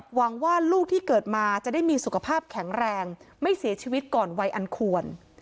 หวังว่าลูกที่เกิดมาจะได้มีสุขภาพแข็งแรงไม่เสียชีวิตก่อนวัยอันควร